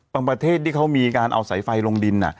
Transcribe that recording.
ประเทศที่เขามีการเอาสายไฟลงดิน